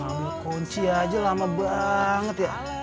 ambil kunci aja lama banget ya